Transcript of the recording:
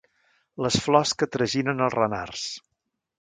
Les flors que traginen els renards.